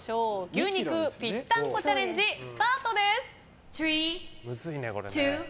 牛肉ぴったんこチャレンジスタートです。